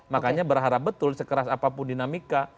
makanya berharap betul sekeras apapun dinamika